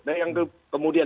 nah yang kemudian yang kemudian